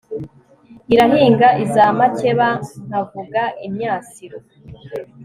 irahinga iz'amakeba, nkavuga imyasiro